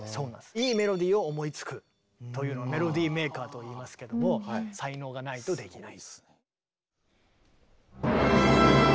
いいメロディーを思いつくというのをメロディーメーカーといいますけども才能がないとできない。